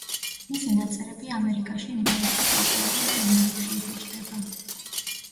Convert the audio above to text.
მისი ნაწერები ამერიკაში იმ დროისთვის პოპულარულ ჟურნალებში იბეჭდება.